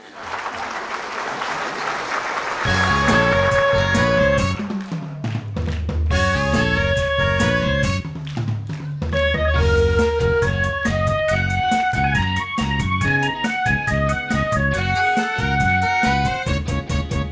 ขอบคุณค่ะ